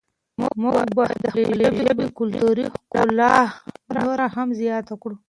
موږ باید د خپلې ژبې کلتوري ښکلا نوره هم زیاته کړو.